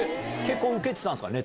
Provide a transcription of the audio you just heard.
結構ウケてたんですか？